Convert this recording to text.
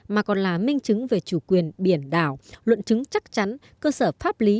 mà còn là minh chứng về chủ quyền biển đảo luận chứng chắc chắn cơ sở pháp lý